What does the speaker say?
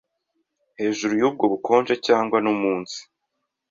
hejuru yubwo bukonje cyangwa no munsi